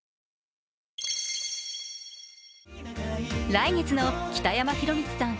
来月の北山宏光さん